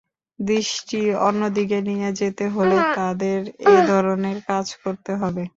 দৃষ্টি অন্যদিকে নিয়ে যেতে হলে তাদের এ ধরনের কাজ করতে হবে।